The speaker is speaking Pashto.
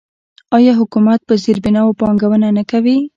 آیا حکومت په زیربناوو پانګونه نه کوي؟